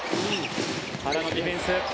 原のディフェンス。